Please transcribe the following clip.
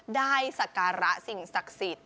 สการะสิ่งศักดิ์สิทธิ์